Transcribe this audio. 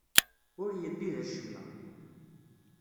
Ur yelli d acemma.